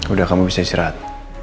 udah kamu bisa istirahat